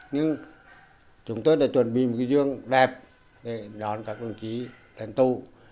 nhưng chúng tôi đã chuẩn bị một cái giường đẹp để đón các đồng chí đến tù